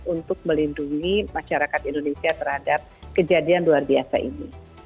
untuk melindungi masyarakat indonesia terhadap kejadian luar biasa ini